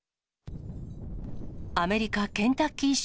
アメリカ・ケンタッキー州。